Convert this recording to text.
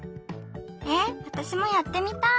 えっわたしもやってみたい！